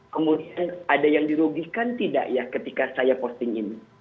kemudian ada yang dirugikan tidak ya ketika saya posting ini